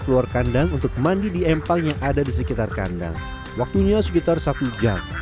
keluar kandang untuk mandi di empang yang ada di sekitar kandang waktunya sekitar satu jam